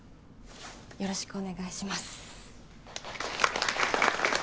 よろしくお願いします